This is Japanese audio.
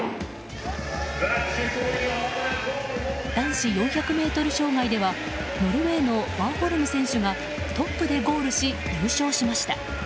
男子４００ｍ障害ではノルウェーのワーホルム選手がトップでゴールし優勝しました。